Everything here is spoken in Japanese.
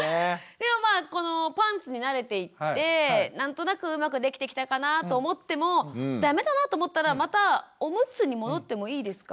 でもまあこのパンツに慣れていって何となくうまくできてきたかなと思っても駄目だなと思ったらまたオムツに戻ってもいいですか？